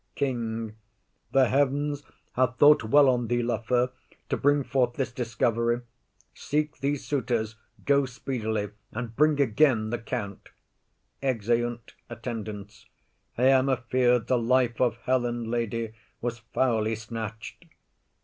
KING. The heavens have thought well on thee, Lafew, To bring forth this discovery. Seek these suitors. Go speedily, and bring again the count. [Exeunt Gentleman and some Attendants.] I am afeard the life of Helen, lady, Was foully snatch'd.